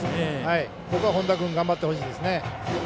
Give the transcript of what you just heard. ここは本田君頑張ってほしいですね。